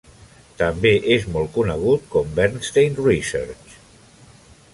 També és molt conegut com Bernstein Research.